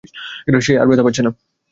সে আর ব্যথা পাচ্ছে না।